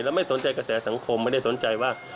และไม่สนใจกระแสสังคมไม่ได้สนใจว่า